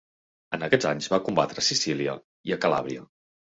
En aquests anys va combatre a Sicília i a Calàbria.